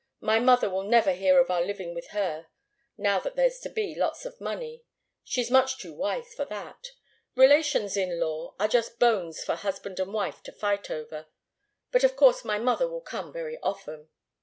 My mother will never hear of our living with her, now that there's to be lots of money. She's much too wise for that. Relations in law are just bones for husband and wife to fight over. But of course my mother will come very often."